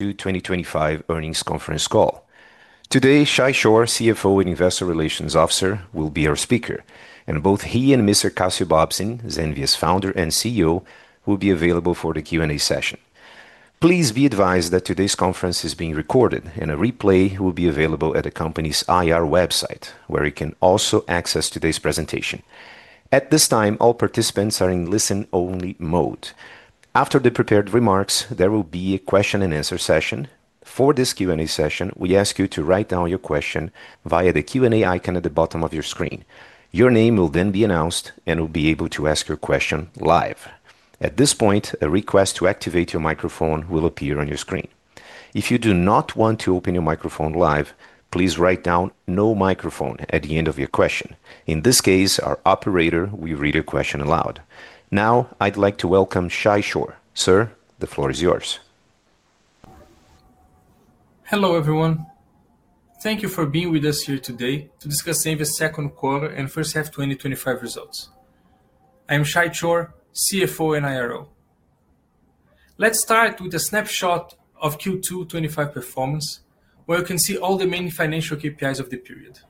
2025 Earnings Conference Call. Today, Shay Chor, CFO and Investor Relations Officer, will be our speaker, and both he and Mr. Cassio Bobsin, Zenvia's Founder and CEO, will be available for the Q&A session. Please be advised that today's conference is being recorded, and a replay will be available at the company's IR website, where you can also access today's presentation. At this time, all participants are in listen-only mode. After the prepared remarks, there will be a question and answer session. For this Q&A session, we ask you to write down your question via the Q&A icon at the bottom of your screen. Your name will then be announced, and you'll be able to ask your question live. At this point, a request to activate your microphone will appear on your screen. If you do not want to open your microphone live, please write down "no microphone" at the end of your question. In this case, our operator will read your question aloud. Now, I'd like to welcome Shay Chor. Sir, the floor is yours. Hello, everyone. Thank you for being with us here today to discuss Zenvia Inc.'s second quarter and first half 2025 results. I am Shay Chor, CFO and IRO. Let's start with a snapshot of Q2 2025 performance, where you can see all the main financial KPIs of the period.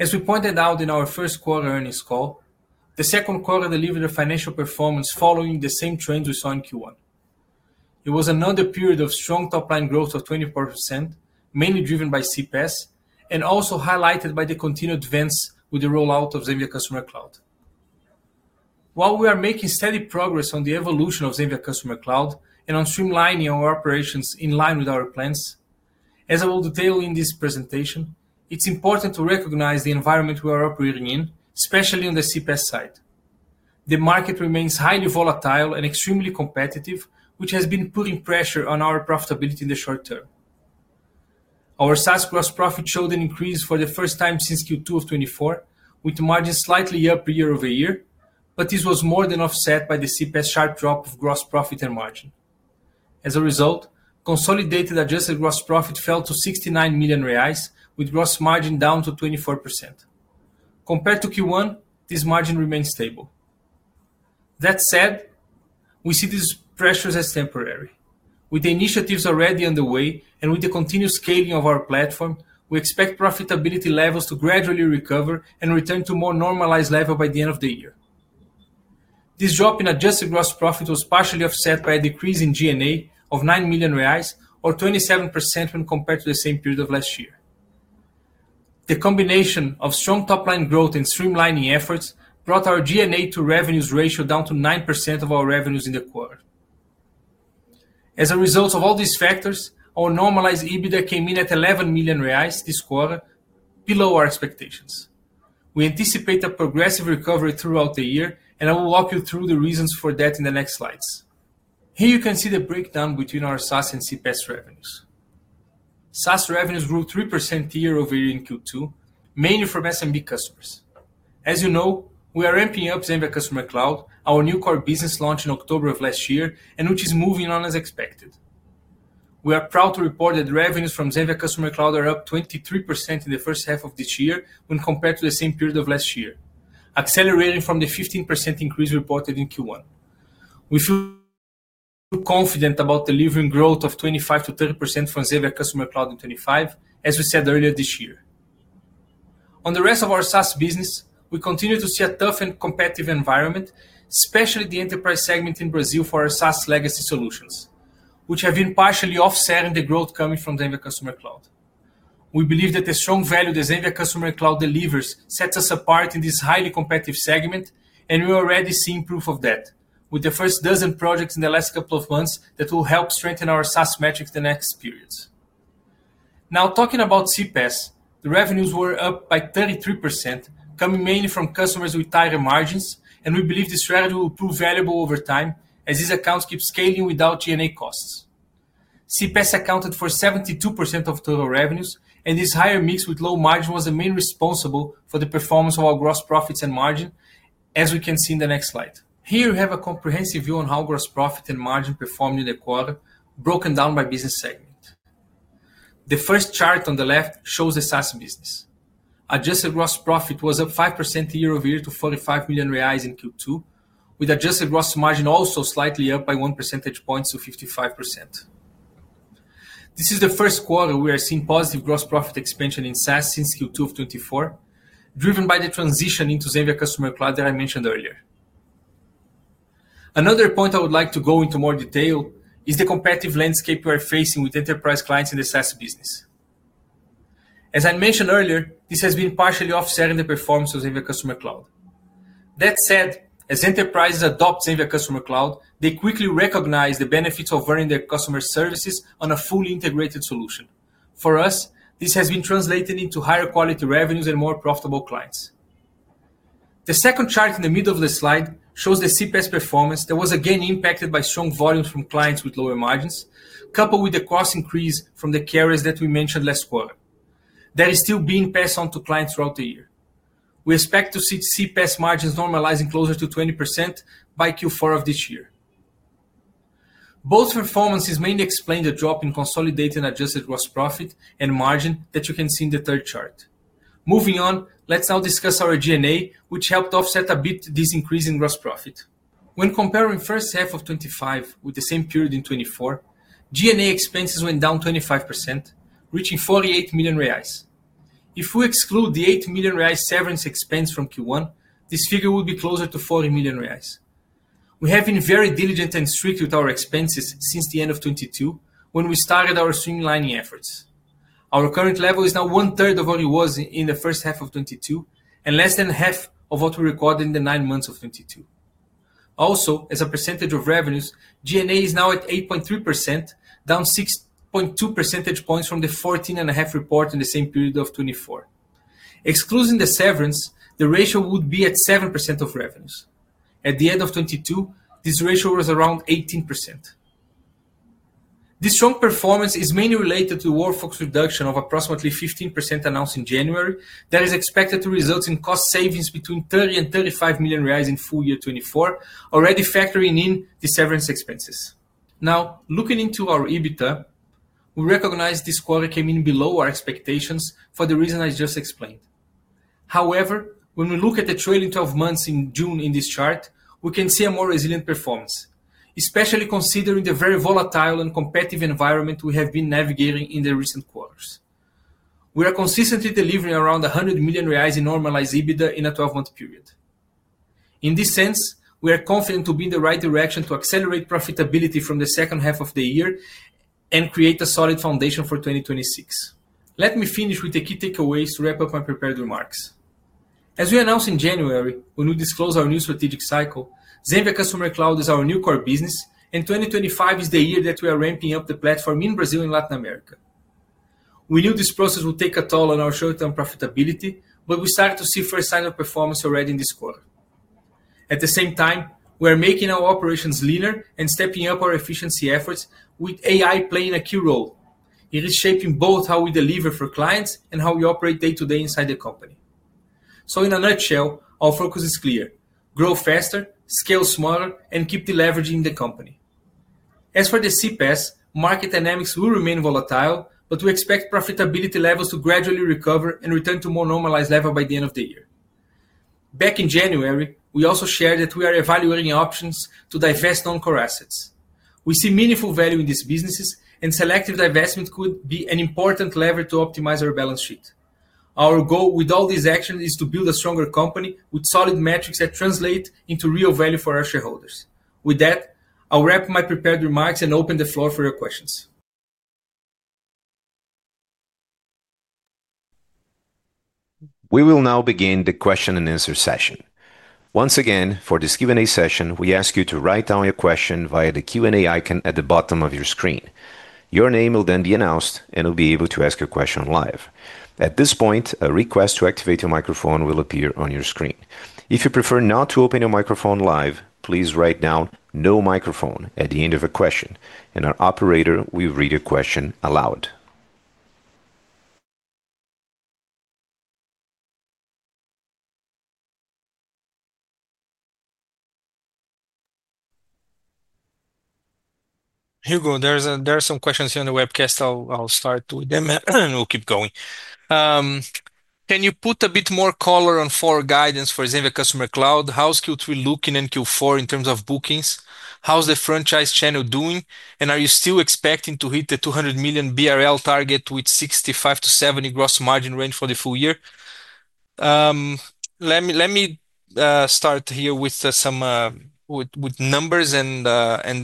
As we pointed out in our first quarter earnings call, the second quarter delivered a financial performance following the same trend we saw in Q1. It was another period of strong top-line growth of 24%, mainly driven by CPaaS, and also highlighted by the continued advance with the rollout of Zenvia Customer Cloud. While we are making steady progress on the evolution of Zenvia Customer Cloud and on streamlining our operations in line with our plans, as I will detail in this presentation, it's important to recognize the environment we are operating in, especially on the CPaaS side. The market remains highly volatile and extremely competitive, which has been putting pressure on our profitability in the short term. Our SaaS gross profit showed an increase for the first time since Q2 of 2024, with margins slightly up year over year, but this was more than offset by the CPaaS sharp drop of gross profit and margin. As a result, consolidated adjusted gross profit fell to R$69 million, with gross margin down to 24%. Compared to Q1, this margin remains stable. That said, we see these pressures as temporary. With the initiatives already underway and with the continued scaling of our platform, we expect profitability levels to gradually recover and return to a more normalized level by the end of the year. This drop in adjusted gross profit was partially offset by a decrease in G&A expenses of R$9 million, or 27% when compared to the same period of last year. The combination of strong top-line growth and streamlining efforts brought our G&A to revenues ratio down to 9% of our revenues in the quarter. As a result of all these factors, our normalized EBITDA came in at R$11 million this quarter, below our expectations. We anticipate a progressive recovery throughout the year, and I will walk you through the reasons for that in the next slides. Here you can see the breakdown between our SaaS and CPaaS revenues. SaaS revenues grew 3% year over year in Q2, mainly from SMB customers. As you know, we are ramping up Zenvia Customer Cloud, our new core business launched in October of last year, and which is moving on as expected. We are proud to report that revenues from Zenvia Customer Cloud are up 23% in the first half of this year when compared to the same period of last year, accelerating from the 15% increase reported in Q1. We feel confident about delivering growth of 25% to 30% from Zenvia Customer Cloud in 2025, as we said earlier this year. On the rest of our SaaS business, we continue to see a tough and competitive environment, especially the enterprise segment in Brazil for our SaaS legacy solutions, which have been partially offset in the growth coming from Zenvia Customer Cloud. We believe that the strong value that Zenvia Customer Cloud delivers sets us apart in this highly competitive segment, and we're already seeing proof of that with the first dozen projects in the last couple of months that will help strengthen our SaaS metrics in the next periods. Now, talking about CPaaS, the revenues were up by 33%, coming mainly from customers with tighter margins, and we believe this strategy will prove valuable over time as these accounts keep scaling without G&A costs. CPaaS accounted for 72% of total revenues, and this higher mix with low margin was the main responsible for the performance of our gross profits and margin, as we can see in the next slide. Here you have a comprehensive view on how gross profit and margin performed in the quarter, broken down by business segment. The first chart on the left shows the SaaS business. Adjusted gross profit was up 5% year over year to R$45 million in Q2, with adjusted gross margin also slightly up by 1 percentage point to 55%. This is the first quarter we are seeing positive gross profit expansion in SaaS since Q2 of 2024, driven by the transition into Zenvia Customer Cloud that I mentioned earlier. Another point I would like to go into more detail is the competitive landscape we are facing with enterprise clients in the SaaS business. As I mentioned earlier, this has been partially offset in the performance of Zenvia Customer Cloud. That said, as enterprises adopt Zenvia Customer Cloud, they quickly recognize the benefits of running their customer services on a fully integrated solution. For us, this has been translated into higher quality revenues and more profitable clients. The second chart in the middle of the slide shows the CPaaS performance that was again impacted by strong volume from clients with lower margins, coupled with the cost increase from the carriers that we mentioned last quarter, that is still being passed on to clients throughout the year. We expect to see CPaaS margins normalizing closer to 20% by Q4 of this year. Both performances mainly explain the drop in consolidated and adjusted gross profit and margin that you can see in the third chart. Moving on, let's now discuss our G&A, which helped offset a bit this increase in gross profit. When comparing the first half of 2025 with the same period in 2024, G&A expenses went down 25%, reaching R$48 million. If we exclude the R$8 million severance expense from Q1, this figure will be closer to R$40 million. We have been very diligent and strict with our expenses since the end of 2022, when we started our streamlining efforts. Our current level is now one-third of what it was in the first half of 2022, and less than half of what we recorded in the nine months of 2022. Also, as a percentage of revenues, G&A is now at 8.3%, down 16.2 percentage points from the 24.5% reported in the same period of 2024. Excluding the severance, the ratio would be at 7% of revenues. At the end of 2022, this ratio was around 18%. This strong performance is mainly related to the workforce reduction of approximately 15% announced in January that is expected to result in cost savings between R$30 million and R$35 million in full year 2024, already factoring in the severance expenses. Now, looking into our EBITDA, we recognize this quarter came in below our expectations for the reason I just explained. However, when we look at the trailing 12 months in June in this chart, we can see a more resilient performance, especially considering the very volatile and competitive environment we have been navigating in the recent quarters. We are consistently delivering around R$100 million in normalized EBITDA in a 12-month period. In this sense, we are confident to be in the right direction to accelerate profitability from the second half of the year and create a solid foundation for 2026. Let me finish with the key takeaways to wrap up my prepared remarks. As we announced in January, when we disclosed our new strategic cycle, Zenvia Customer Cloud is our new core business, and 2025 is the year that we are ramping up the platform in Brazil and Latin America. We knew this process would take a toll on our short-term profitability, but we started to see first signs of performance already in this quarter. At the same time, we are making our operations leaner and stepping up our efficiency efforts, with AI playing a key role. It is shaping both how we deliver for clients and how we operate day-to-day inside the company. In a nutshell, our focus is clear: grow faster, scale smaller, and keep the leverage in the company. As for the CPaaS, market dynamics will remain volatile, but we expect profitability levels to gradually recover and return to a more normalized level by the end of the year. Back in January, we also shared that we are evaluating options to divest non-core assets. We see meaningful value in these businesses, and selective divestment could be an important lever to optimize our balance sheet. Our goal with all these actions is to build a stronger company with solid metrics that translate into real value for our shareholders. With that, I'll wrap my prepared remarks and open the floor for your questions. We will now begin the question and answer session. Once again, for this Q&A session, we ask you to write down your question via the Q&A icon at the bottom of your screen. Your name will then be announced, and you'll be able to ask your question live. At this point, a request to activate your microphone will appear on your screen. If you prefer not to open your microphone live, please write down "no microphone" at the end of a question, and our operator will read your question aloud. Here we go. There are some questions here on the webcast. I'll start with them, and we'll keep going. Can you put a bit more color on forward guidance for Zenvia Customer Cloud? How's Q3 looking in Q4 in terms of bookings? How's the franchise channel doing? Are you still expecting to hit the R$200 million target with 65% to 70% gross margin range for the full year? Let me start here with some numbers, and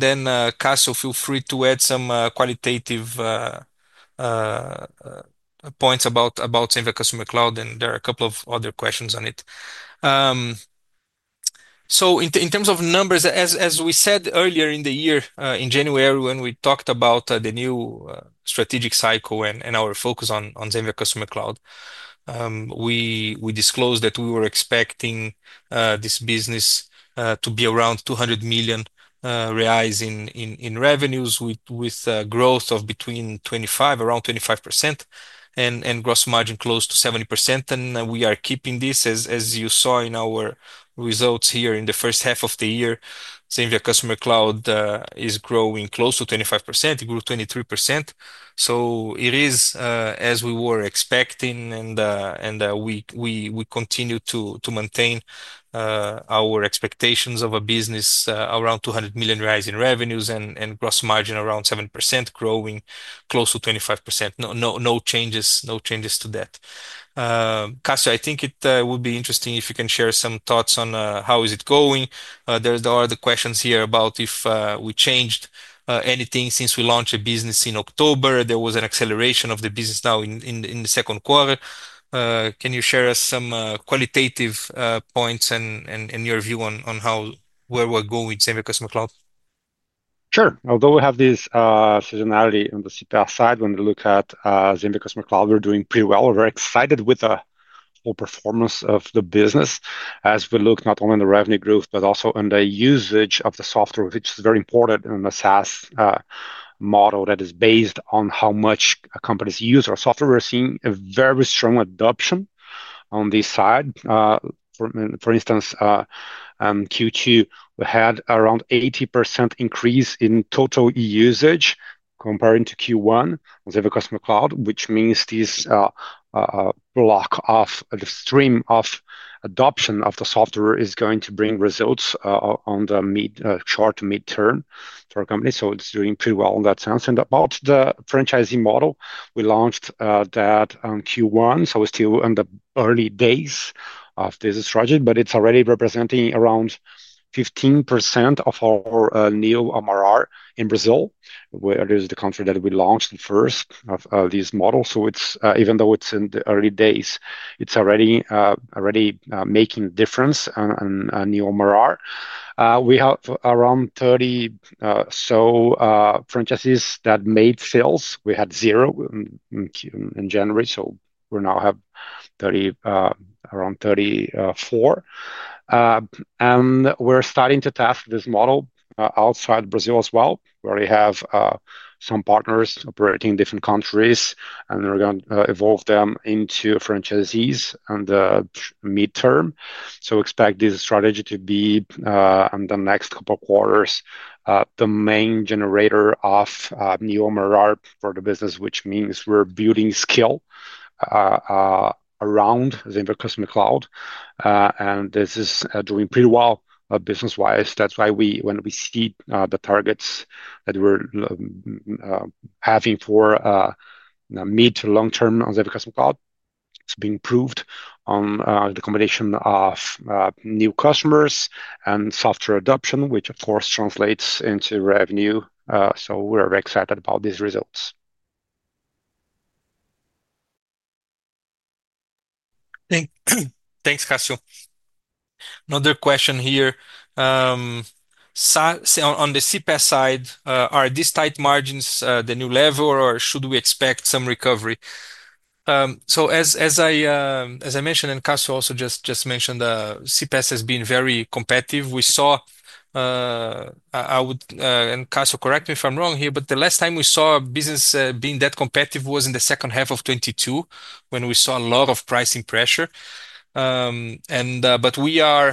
then Cassio, feel free to add some qualitative points about Zenvia Customer Cloud, and there are a couple of other questions on it. In terms of numbers, as we said earlier in the year, in January, when we talked about the new strategic cycle and our focus on Zenvia Customer Cloud, we disclosed that we were expecting this business to be around R$200 million in revenues, with growth of around 25%, and gross margin close to 70%. We are keeping this, as you saw in our results here in the first half of the year. Zenvia Customer Cloud is growing close to 25%. It grew 23%. It is as we were expecting, and we continue to maintain our expectations of a business around R$200 million in revenues and gross margin around 70%, growing close to 25%. No changes, no changes to that. Cassio, I think it would be interesting if you can share some thoughts on how it is going. There are the questions here about if we changed anything since we launched the business in October. There was an acceleration of the business now in the second quarter. Can you share with us some qualitative points and your view on where we're going with Zenvia Customer Cloud? Sure. Although we have this seasonality on the CPaaS side, when we look at Zenvia Customer Cloud, we're doing pretty well. We're excited with the whole performance of the business as we look not only on the revenue growth, but also on the usage of the software, which is very important in the SaaS model that is based on how much companies use our software. We're seeing a very strong adoption on this side. For instance, in Q2, we had around an 80% increase in total usage compared to Q1 in Zenvia Customer Cloud, which means this block of the stream of adoption of the software is going to bring results in the short to mid-term for our company. It's doing pretty well in that sense. About the franchise model, we launched that in Q1. We're still in the early days of this strategy, but it's already representing around 15% of our new MRR in Brazil, where it is the country that we launched the first of this model. Even though it's in the early days, it's already making a difference in new MRR. We have around 30 or so franchisees that made sales. We had zero in January, so we now have around 34. We're starting to test this model outside Brazil as well, where we have some partners operating in different countries, and we're going to evolve them into franchisees in the midterm. We expect this strategy to be, in the next couple of quarters, the main generator of new MRR for the business, which means we're building skill around Zenvia Customer Cloud. This is doing pretty well business-wise. That's why when we see the targets that we're having for mid to long term on Zenvia Customer Cloud being proved on the combination of new customers and software adoption, which of course translates into revenue. We're very excited about these results. Thanks, Cassio. Another question here. On the CPaaS side, are these tight margins the new level, or should we expect some recovery? As I mentioned, and Cassio also just mentioned, CPaaS has been very competitive. We saw, and Cassio, correct me if I'm wrong here, but the last time we saw a business being that competitive was in the second half of 2022, when we saw a lot of pricing pressure. We are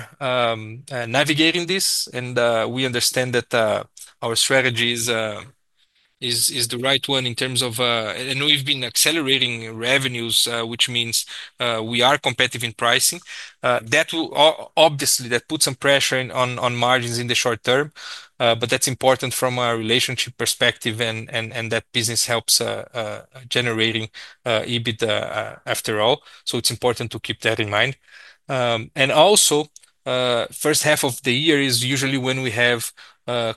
navigating this, and we understand that our strategy is the right one in terms of, and we've been accelerating revenues, which means we are competitive in pricing. Obviously, that puts some pressure on margins in the short term, but that's important from a relationship perspective, and that business helps generating EBITDA after all. It's important to keep that in mind. Also, the first half of the year is usually when we have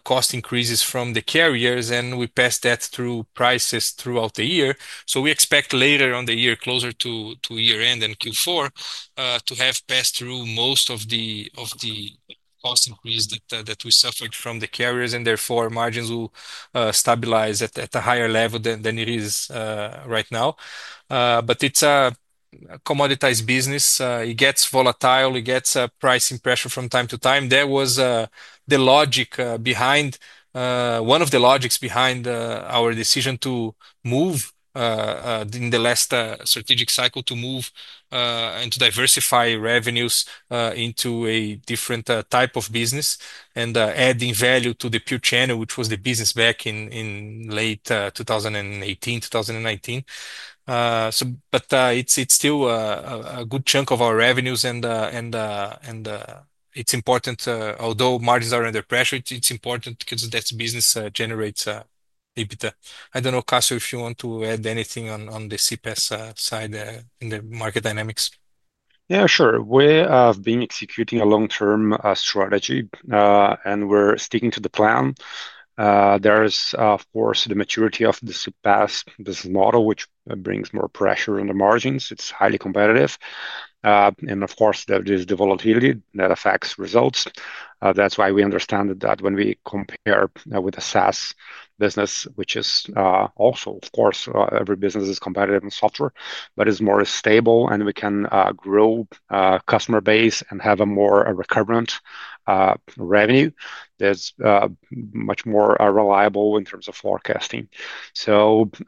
cost increases from the carriers, and we pass that through prices throughout the year. We expect later on the year, closer to year-end and Q4, to have passed through most of the cost increase that we suffered from the carriers, and therefore margins will stabilize at a higher level than it is right now. It's a commoditized business. It gets volatile. It gets pricing pressure from time to time. That was the logic behind, one of the logics behind our decision to move in the last strategic cycle, to move and to diversify revenues into a different type of business and adding value to the pure channel, which was the business back in late 2018, 2019. It's still a good chunk of our revenues, and it's important, although margins are under pressure, it's important because that business generates EBITDA. I don't know, Cassio, if you want to add anything on the CPaaS side in the market dynamics. Yeah, sure. We've been executing a long-term strategy, and we're sticking to the plan. There's, of course, the maturity of the CPaaS business model, which brings more pressure on the margins. It's highly competitive. There is the volatility that affects results. That's why we understand that when we compare with a SaaS business, which is also, of course, every business is competitive in software, but it's more stable, and we can grow a customer base and have a more recurrent revenue that's much more reliable in terms of forecasting.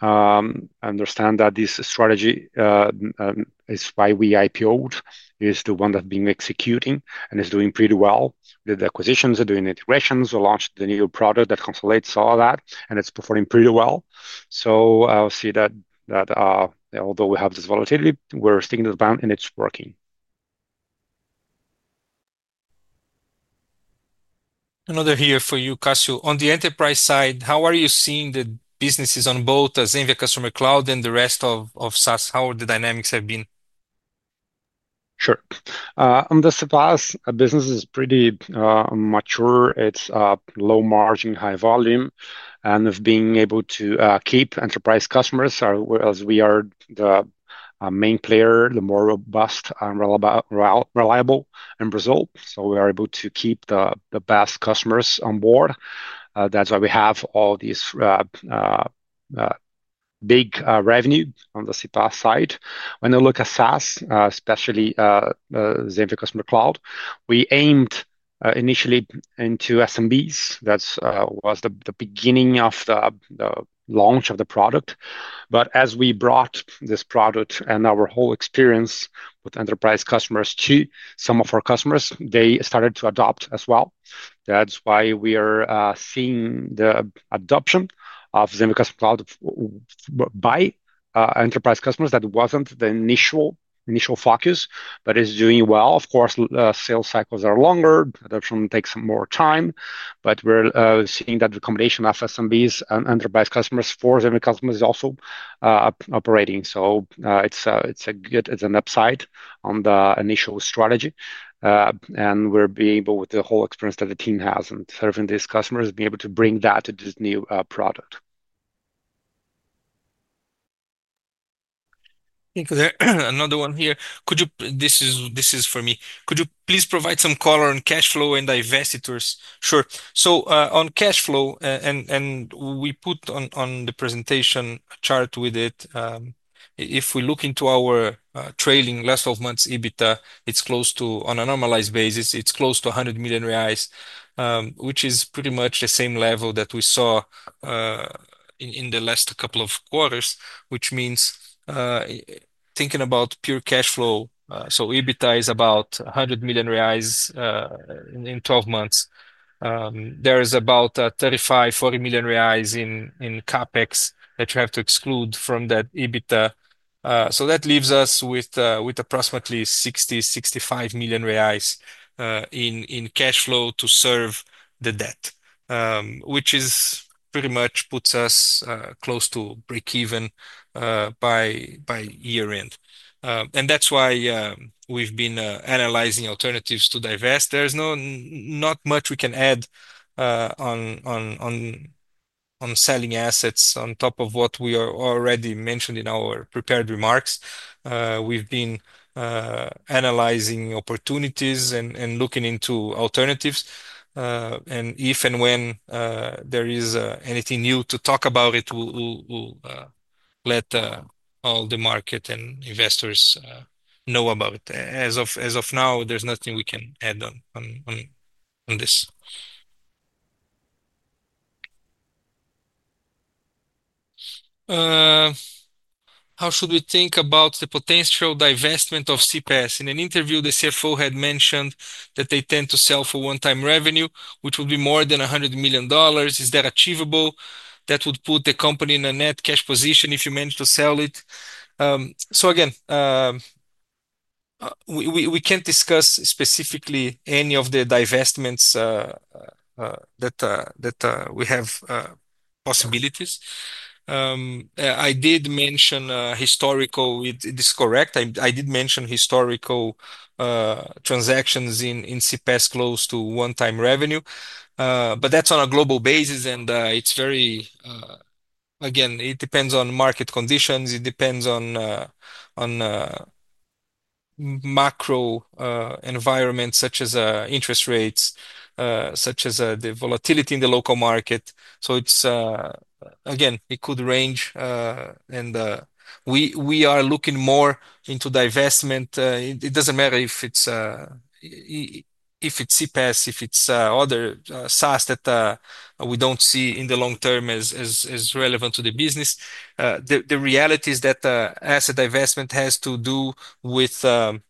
I understand that this strategy is why we IPO'd. It's the one that's been executing and is doing pretty well with the acquisitions, doing integrations, launching the new product that consolidates all that, and it's performing pretty well. I'll see that although we have this volatility, we're sticking to the plan, and it's working. Another here for you, Cassio. On the enterprise side, how are you seeing the businesses on both Zenvia Customer Cloud and the rest of SaaS? How have the dynamics been? Sure. On the SaaS, our business is pretty mature. It's low margin, high volume, and we've been able to keep enterprise customers as we are the main player, the more robust and reliable in Brazil. We are able to keep the best customers on board. That's why we have all this big revenue on the CPaaS side. When I look at SaaS, especially Zenvia Customer Cloud, we aimed initially into SMBs. That was the beginning of the launch of the product. As we brought this product and our whole experience with enterprise customers to some of our customers, they started to adopt as well. That's why we are seeing the adoption of Zenvia Customer Cloud by enterprise customers. That wasn't the initial focus, but it's doing well. Of course, sales cycles are longer. Adoption takes more time, but we're seeing that the combination of SMBs and enterprise customers for Zenvia Customer Cloud is also operating. It's a good, it's an upside on the initial strategy, and we're being able with the whole experience that the team has in serving these customers, being able to bring that to this new product. Thank you there. Another one here. Could you, this is for me. Could you please provide some color on cash flow and divestitures? Sure. On cash flow, and we put on the presentation chart with it, if we look into our trailing last 12 months EBITDA, it's close to, on a normalized basis, it's close to R$100 million, which is pretty much the same level that we saw in the last couple of quarters, which means thinking about pure cash flow. EBITDA is about R$100 million in 12 months. There is about R$35 to R$40 million in CapEx that you have to exclude from that EBITDA. That leaves us with approximately R$60 to R$65 million in cash flow to serve the debt, which pretty much puts us close to break even by year-end. That's why we've been analyzing alternatives to divest. There's not much we can add on selling assets on top of what we already mentioned in our prepared remarks. We've been analyzing opportunities and looking into alternatives. If and when there is anything new to talk about, we'll let all the market and investors know about it. As of now, there's nothing we can add on this. How should we think about the potential divestment of CPaaS? In an interview, the CFO had mentioned that they tend to sell for one-time revenue, which would be more than $100 million. Is that achievable? That would put the company in a net cash position if you manage to sell it. Again, we can't discuss specifically any of the divestments that we have possibilities. I did mention historical, it is correct. I did mention historical transactions in CPaaS close to one-time revenue, but that's on a global basis. It's very, again, it depends on market conditions. It depends on macro environments such as interest rates, such as the volatility in the local market. It could range. We are looking more into divestment. It doesn't matter if it's CPaaS, if it's other SaaS that we don't see in the long term as relevant to the business. The reality is that asset divestment has to do with the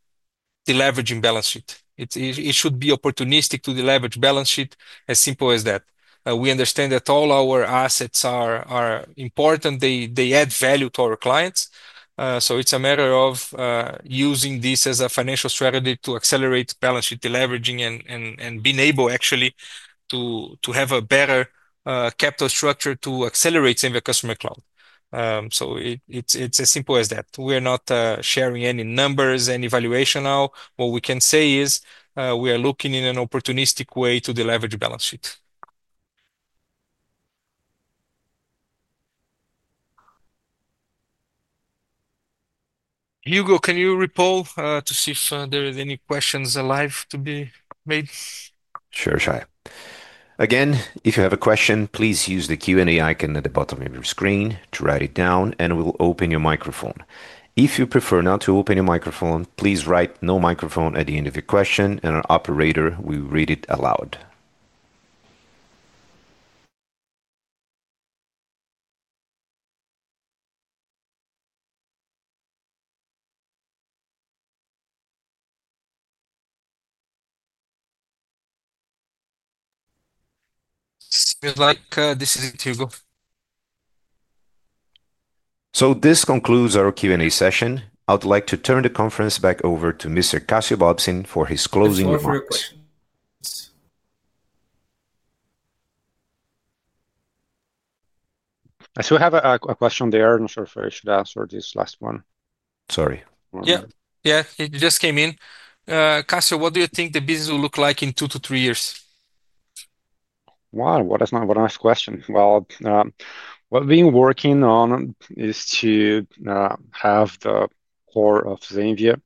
leveraging balance sheet. It should be opportunistic to the leveraged balance sheet, as simple as that. We understand that all our assets are important. They add value to our clients. It's a matter of using this as a financial strategy to accelerate balance sheet leveraging and being able actually to have a better capital structure to accelerate Zenvia Customer Cloud. It's as simple as that. We are not sharing any numbers, any valuation now. What we can say is we are looking in an opportunistic way to the leveraged balance sheet. Hugo, can you repoll to see if there are any questions alive to be made? Sure, Shay. If you have a question, please use the Q&A icon at the bottom of your screen to write it down, and we'll open your microphone. If you prefer not to open your microphone, please write "no microphone" at the end of the question, and our operator will read it aloud. Good luck. This is Hugo. This concludes our Q&A session. I'd like to turn the conference back over to Mr. Cassio Bobsin for his closing remarks. I still have a question. I'm not sure if I should ask this last one. Sorry. Yeah, yeah, it just came in. Cassio, what do you think the business will look like in two to three years? Wow, what a nice question. What we've been working on is to have the core of Zenvia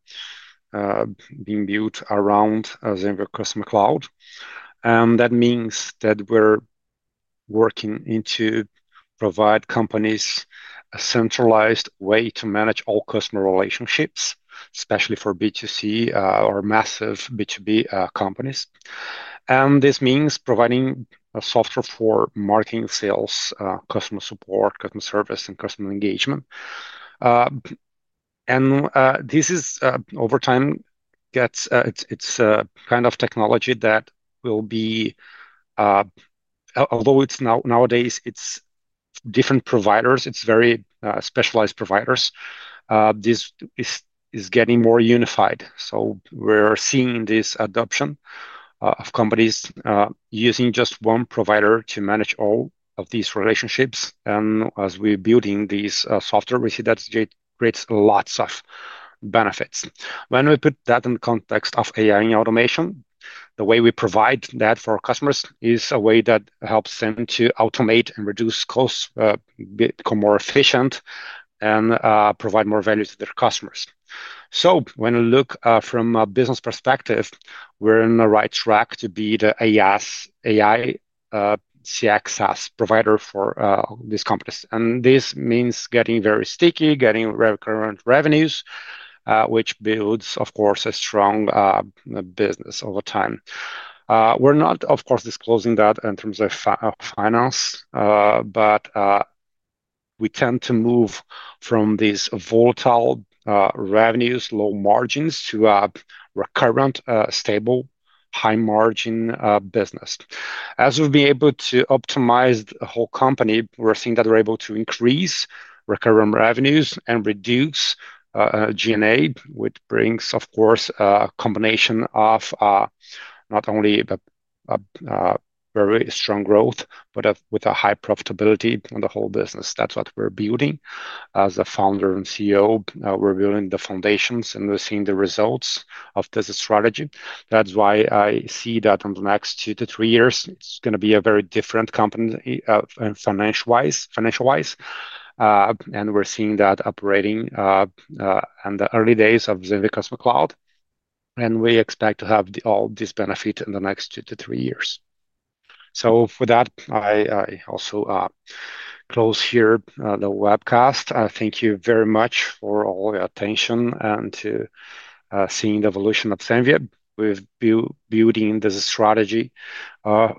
being built around Zenvia Customer Cloud. That means that we're working to provide companies a centralized way to manage all customer relationships, especially for B2C or massive B2B companies. This means providing software for marketing, sales, customer support, customer service, and customer engagement. Over time, it's a kind of technology that will be, although nowadays, it's different providers. It's very specialized providers. This is getting more unified. We're seeing this adoption of companies using just one provider to manage all of these relationships. As we're building this software, we see that it creates lots of benefits. When we put that in the context of AI and automation, the way we provide that for our customers is a way that helps them to automate and reduce costs, become more efficient, and provide more value to their customers. When we look from a business perspective, we're on the right track to be the AI CX SaaS provider for these companies. This means getting very sticky, getting recurrent revenues, which builds, of course, a strong business over time. We're not, of course, disclosing that in terms of finance, but we tend to move from these volatile revenues, low margins, to a recurrent, stable, high margin business. As we've been able to optimize the whole company, we're seeing that we're able to increase recurrent revenues and reduce G&A, which brings, of course, a combination of not only very strong growth, but with a high profitability on the whole business. That's what we're building. As a Founder and CEO, we're building the foundations, and we're seeing the results of this strategy. That's why I see that in the next two to three years, it's going to be a very different company financial-wise. We're seeing that operating in the early days of Zenvia Customer Cloud. We expect to have all this benefit in the next two to three years. With that, I also close here the webcast. Thank you very much for all your attention and to seeing the evolution of Zenvia. We've been building this strategy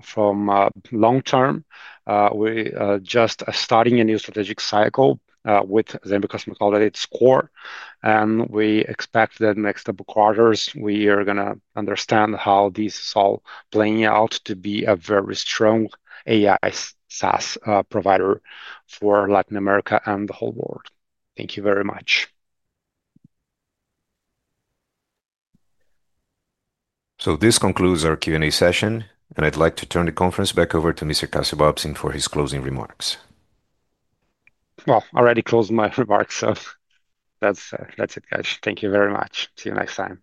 from long term. We're just starting a new strategic cycle with Zenvia Customer Cloud at its core. We expect that next couple of quarters, we are going to understand how this is all playing out to be a very strong AI SaaS provider for Latin America and the whole world. Thank you very much. This concludes our Q&A session, and I'd like to turn the conference back over to Mr. Cassio Bobsin for his closing remarks. I already closed my remarks, so that's it, guys. Thank you very much. See you next time.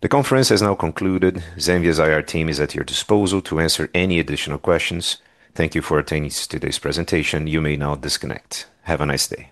The conference has now concluded. Zenvia's IR team is at your disposal to answer any additional questions. Thank you for attending today's presentation. You may now disconnect. Have a nice day.